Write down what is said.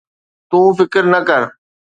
تون فڪر نه ڪر